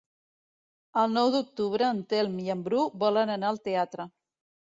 El nou d'octubre en Telm i en Bru volen anar al teatre.